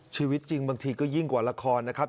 ชีวิตจริงบางทีก็ยิ่งกว่าละครนะครับ